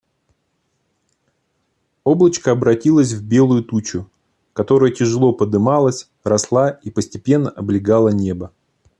Облачко обратилось в белую тучу, которая тяжело подымалась, росла и постепенно облегала небо.